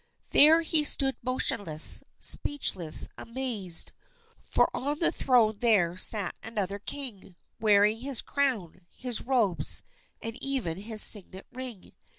There he stood motionless, speechless, amazed; for on the throne there sat another king, wearing his crown, his robes, and even his signet ring.